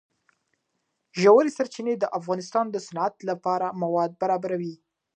ژورې سرچینې د افغانستان د صنعت لپاره مواد برابروي.